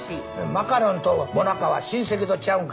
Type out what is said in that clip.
マカロンともなかは親戚とちゃうんか？